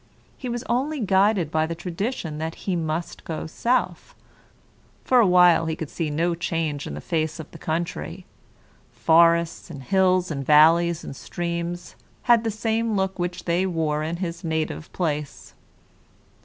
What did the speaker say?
He was only guided by the tradition that he must go south. For a while he could see no change in the face of the country. Forests, and hills, and valleys, and streams had the same looks which they wore in his native place.